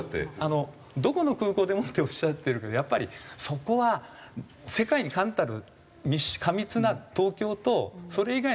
どこの空港でもっておっしゃってるけどやっぱりそこは世界に冠たる。